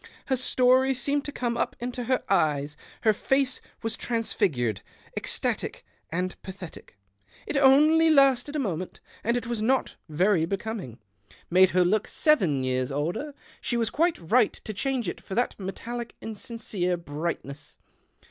Her story seemed to come up into her eyes ; her face was transfigured, ecstatic, and pathetic. It only lasted a moment, and it was not very becoming — made her look 168 THE OCTAVE OF CLAUDIUS. seven years older. She was quite right to change it for that metallic, insincere bright ness.